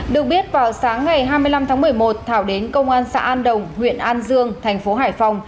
được biết vào sáng ngày hai mươi năm tháng một mươi một thảo đến công an xã an đồng huyện an dương tp hcm